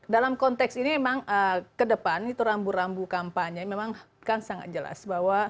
dalam konteks ini memang ke depan itu rambu rambu kampanye memang kan sangat jelas bahwa